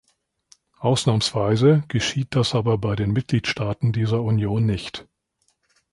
Ausnahmsweise geschieht das aber bei den Mitgliedstaaten dieser Union nicht.